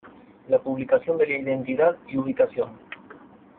La publicación de la identidad y ubicación